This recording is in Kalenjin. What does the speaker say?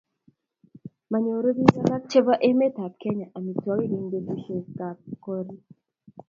manyoru biik alak chebo emetab Kenya amitwogik eng' betusiekab koroii